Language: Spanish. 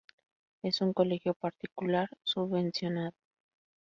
Es un colegio particular subvencionado.